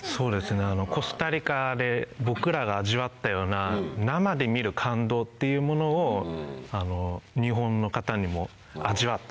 コスタリカで僕らが味わったような。っていうものを日本の方にも味わってほしいなと。